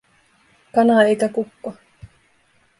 Kana eikä kukko.